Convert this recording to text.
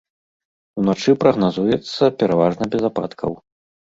Уначы прагназуецца пераважна без ападкаў.